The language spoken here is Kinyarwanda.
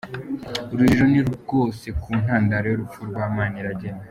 Urujijo ni rwose ku ntandaro y’urupfu rwa Maniragena